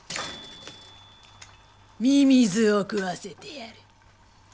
ミミズを食わせてやる。